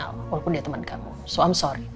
walaupun dia teman kamu jadi maaf